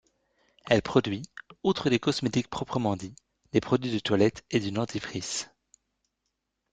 Elle produit, outre des cosmétiques proprement dits, des produits de toilette et du dentifrice.